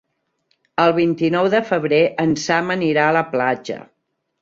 El vint-i-nou de febrer en Sam anirà a la platja.